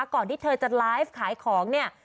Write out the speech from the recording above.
ก่อนที่เธอจะไลฟ์ขายของ